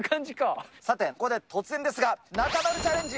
さて、ここで突然ですが、中丸チャレンジ！